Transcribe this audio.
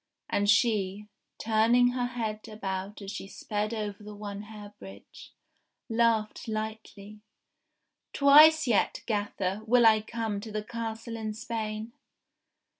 And she, turning her head about as she sped over the One Hair Bridge, laughed lightly :*' Twice yet, gafifer, will I come to the Castle in Spain